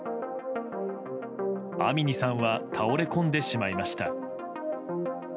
アミニさんは倒れ込んでしまいました。